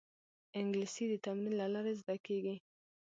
انګلیسي د تمرین له لارې زده کېږي